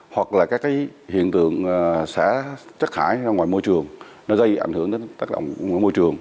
hoặc là các hiện tượng chất hại ra ngoài môi trường nó gây ảnh hưởng đến tác động ngoài môi trường